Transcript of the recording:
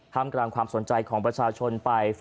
มกลางความสนใจของประชาชนไป